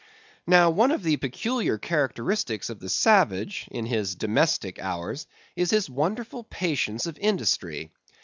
Now, one of the peculiar characteristics of the savage in his domestic hours, is his wonderful patience of industry.